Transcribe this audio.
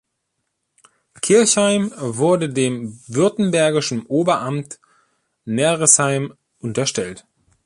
Kirchheim wurde dem württembergischen Oberamt Neresheim unterstellt.